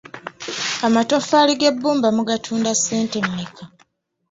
Amatofaali g'ebbumba mugatunda ssente mmeka?